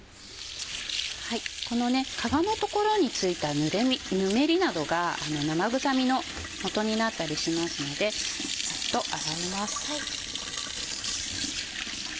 この皮の所に付いたぬめりなどが生臭みの元になったりしますのでサッと洗います。